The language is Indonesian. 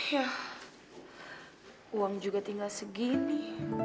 syah uang juga tinggal segini